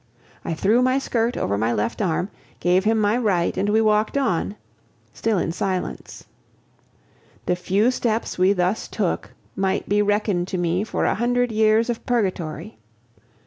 I threw my skirt over my left arm, gave him my right, and we walked on still in silence. The few steps we thus took might be reckoned to me for a hundred years of purgatory.